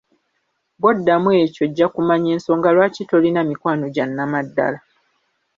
Bw'oddamu ekyo ojja kumanya ensonga lwaki tolina mikwano gya nnamaddala.